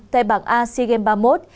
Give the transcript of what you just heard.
tại bảng a sea games ba mươi một